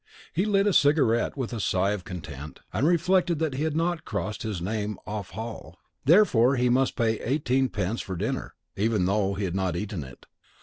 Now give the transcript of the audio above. He lit a cigarette with a sigh of content, and reflected that he had not crossed his name off hall. Therefore he must pay eighteen pence for dinner, even though he had not eaten it.